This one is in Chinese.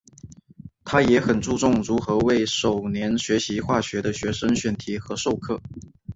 他也很注重如何为首年学习化学的学生选题和授课。